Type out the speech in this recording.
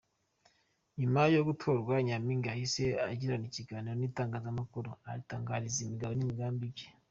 Nyuma yo gutorwa, Nyampinga yahise agirana ikiganiro n'itangazamakuru aritangariza imigabo n'imigambi bye.